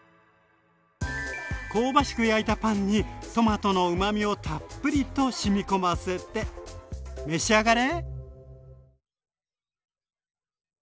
香ばしく焼いたパンにトマトのうまみをたっぷりとしみこませて召し上がれ！